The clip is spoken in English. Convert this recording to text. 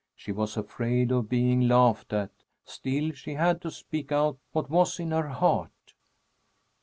She was afraid of being laughed at, still she had to speak out what was in her heart.